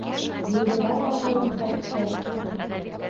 - Юлдыбай ағайым ҡайтты!